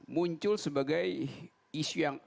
muncul sebagai isu yang